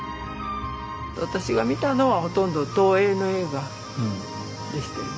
私が見たのはほとんど東映の映画でしたよね。